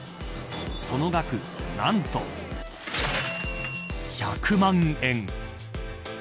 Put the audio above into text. その額、何と１００万円。